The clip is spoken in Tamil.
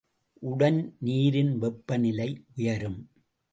உடன் நீரின் வெப்பநிலை உயரும்.